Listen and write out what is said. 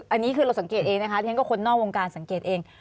อันนี้คือเราสังเกตเองนะคะที่ฉันก็คนนอกวงการสังเกตเอง